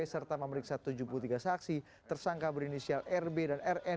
serta memeriksa tujuh puluh tiga saksi tersangka berinisial rb dan rn